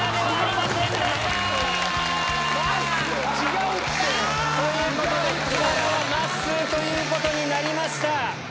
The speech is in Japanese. まっすー違うって！ということで自腹はまっすーということになりました。